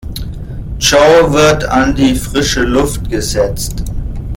Joe wird an die frische Luft gesetzt.